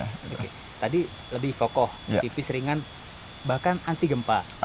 tadi lebih pokok lebih tipis ringan bahkan anti gempa